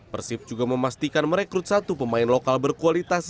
persib juga memastikan merekrut satu pemain lokal berkualitas